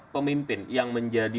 pemimpin yang menjadi